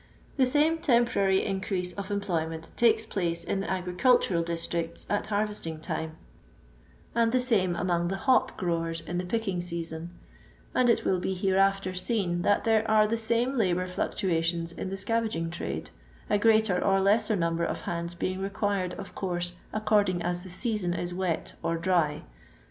The same temporary increase of employ ment takes place in the agricultural districts at harvesting time, and the same among the hop growers in the picking season ; and it will be hereafter seen that there are the same labour fluctuations in the scavaging trade, a greater or lesser number of hands Wing required, of course, according as the season is wet or dry.